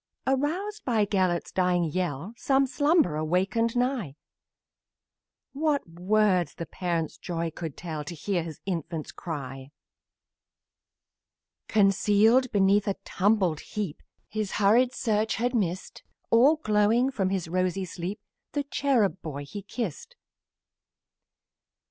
Aroused by Gelert's dying yell, Some slumberer wakened nigh; What words the parent's joy can tell To hear his infant cry! Concealed beneath a mangled heap His hurried search had missed, All glowing from his rosy sleep, His cherub boy he kissed.